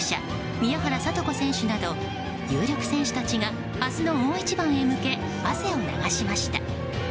宮原知子選手など有力選手たちが明日の大一番へ向け汗を流しました。